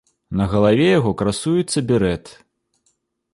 На галаве яго красуецца берэт.